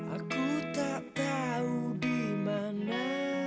aku tak tahu dimana